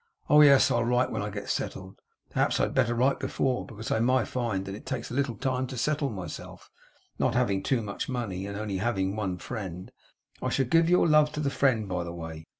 'Oh, yes, I'll write when I get settled. Perhaps I had better write before, because I may find that it takes a little time to settle myself; not having too much money, and having only one friend. I shall give your love to the friend, by the way.